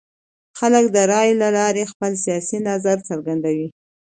خلک د رایې له لارې خپل سیاسي نظر څرګندوي